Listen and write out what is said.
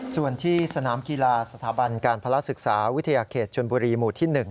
ส่วนที่สนามกีฬาสถาบันการภาระศึกษาวิทยาเขตชนบุรีหมู่ที่๑